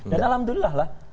dan alhamdulillah lah